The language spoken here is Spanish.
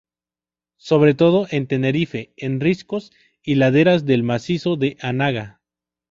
Sobre todo en Tenerife en riscos y laderas del Macizo de Anaga.